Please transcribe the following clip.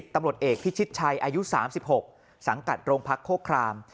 ตำรวจเอกพิชิตชัยอายุ๓๖สังกัดโรงพักโฆคราม